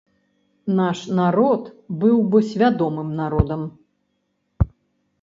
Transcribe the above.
Наш народ быў бы свядомым народам.